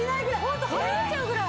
ホントはみ出ちゃうぐらい。